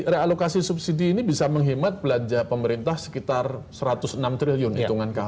realokasi subsidi ini bisa menghemat belanja pemerintah sekitar rp satu ratus enam triliun hitungan kami